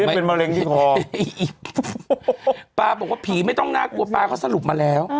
เป็นมะเร็งที่คอปลาบอกว่าผีไม่ต้องน่ากลัวปลาเขาสรุปมาแล้ว